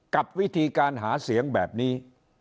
กับวิธีการหาเสียงแบบนี้